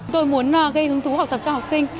tôi muốn gây hứng thú học tập cho học sinh